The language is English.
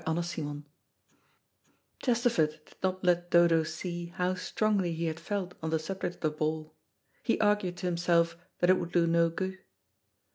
CHAPTER TWELVE Chesterford did not let Dodo see how strongly he had felt on the subject of the ball. He argued to himself that it would do no good.